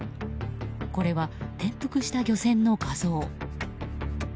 これは、転覆した漁船の画像。